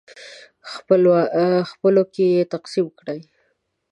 خپلو کې یې تقسیم کړئ.